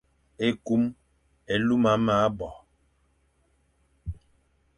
Ekum e lum me abo ;